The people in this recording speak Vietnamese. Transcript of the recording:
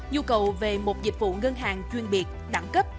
nhu cầu về một dịch vụ ngân hàng chuyên biệt đẳng cấp